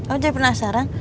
apa jadi penasaran